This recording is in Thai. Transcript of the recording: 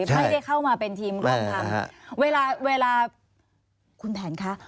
ไม่ได้เข้ามาเป็นทีมกองปราบ